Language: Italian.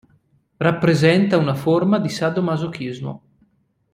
Rappresenta una forma di sadomasochismo.